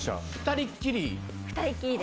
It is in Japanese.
２人きり？